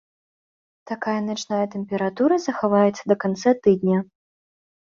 Такая начная тэмпература захаваецца да канца тыдня.